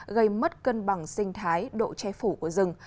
gây mất cân bằng sinh thái độ che phủ của rừng